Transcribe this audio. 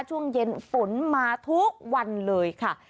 ช่วงเย็นฝนมาทุกวันเลยค่ะ